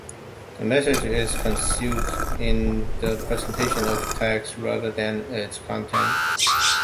A message is concealed in the presentation of text, rather than its content.